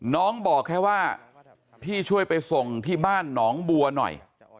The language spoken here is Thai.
บอกแค่ว่าพี่ช่วยไปส่งที่บ้านหนองบัวหน่อย